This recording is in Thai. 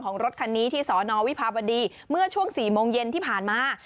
รถคันนี้ที่สอนอวิภาบดีเมื่อช่วง๔โมงเย็นที่ผ่านมา